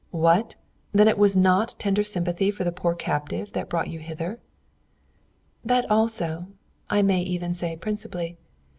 "What! Then it was not tender sympathy for the poor captive that brought you hither?" "That also I may even say principally.